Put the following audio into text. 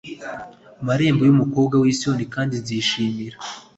marembo y umukobwa w i siyoni kandi nzishimira